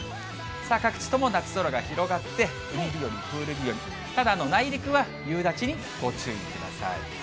各地とも夏空が広がって、海日和、プール日和、ただ、内陸は夕立にご注意ください。